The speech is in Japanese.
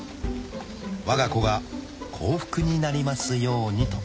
［わが子が幸福になりますようにと］